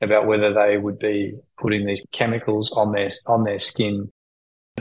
apakah mereka akan menemukan bahan kimia di kulit mereka